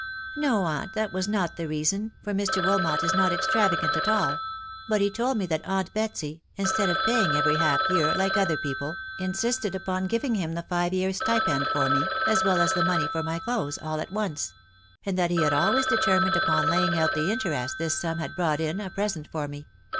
" No, aunt, that wad not the reason, for Mr. Wilmot is not extravagant at all; but he told me that aunt Betsy, instead of paying every half year, like other people, insisted upon giving him the five years' stipend for me, as well as the money for my clothes, all at once ; and that he had always determined upon laying out the interest this sum had brought in a present for me.